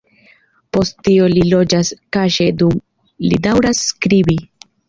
Post tio li loĝas kaŝe dum li daŭras skribi.